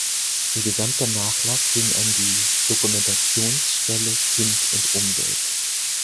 Ihr gesamter Nachlass ging an die "Dokumentationsstelle Kind und Umwelt".